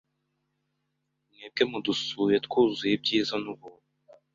Mwebwe mudusuye twuzuye ibyiza n'ubuntu